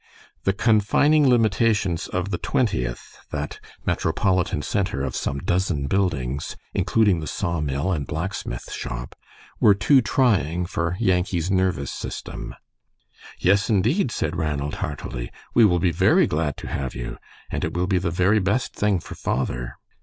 The confining limitations of the Twentieth, that metropolitan center of some dozen buildings, including the sawmill and blacksmith shop, were too trying for Yankee's nervous system. "Yes, indeed," said Ranald, heartily. "We will be very glad to have you, and it will be the very best thing for father."